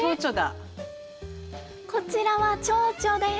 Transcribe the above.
そしてこちらはチョウチョです。